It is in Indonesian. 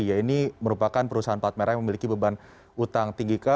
ya ini merupakan perusahaan plat merah yang memiliki beban utang tinggi